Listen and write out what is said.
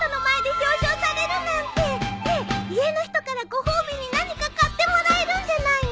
ねえ家の人からご褒美に何か買ってもらえるんじゃないの！